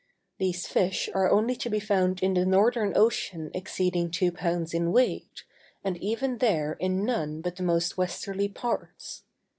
These fish are only to be found in the Northern Ocean, exceeding two pounds in weight, and even there in none but the more westerly parts.